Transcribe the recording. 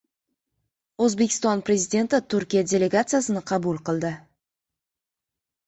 O‘zbekiston Prezidenti Turkiya delegasiyasini qabul qildi